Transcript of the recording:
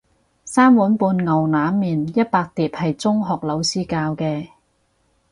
三碗半牛腩麵一百碟係中學老師教嘅